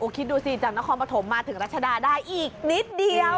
คิดดูสิจากนครปฐมมาถึงรัชดาได้อีกนิดเดียว